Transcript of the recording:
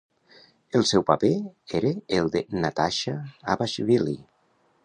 El seu paper era el de Natasha Abashwilli.